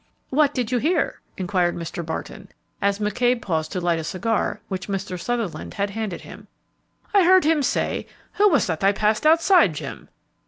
"What did you hear?" inquired Mr. Barton, as McCabe paused to light a cigar which Mr. Sutherland had handed him. "I heard him say, 'Who was that I passed outside, Jim?'